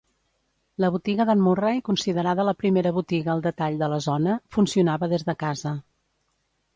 La botiga d'en Murray, considerada la primera botiga al detall de la zona, funcionava des de casa.